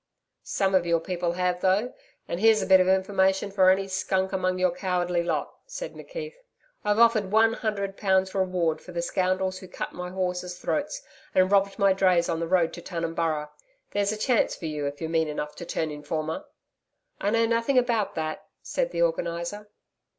'Some of your people have, though, and here's a bit of information for any skunk among your cowardly lot,' said McKeith. 'I've offered one hundred pounds reward for the scoundrels who cut my horses' throats and robbed my drays on the road to Tunumburra. There's a chance for you, if you're mean enough to turn informer.' 'I know nothing about that,' said the Organiser.